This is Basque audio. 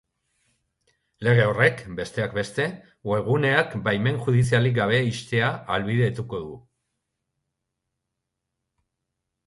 Lege horrek, besteak beste, webguneak baimen judizialik gabe ixtea ahalbidetuko du.